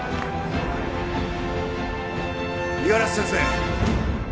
五十嵐先生